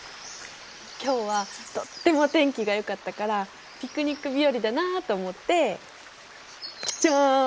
今日はとっても天気がよかったからピクニック日和だなあと思ってジャン！